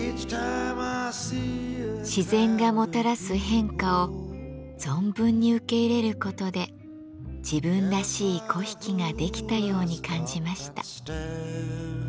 自然がもたらす変化を存分に受け入れる事で自分らしい粉引が出来たように感じました。